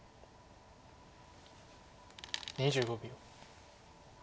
２５秒。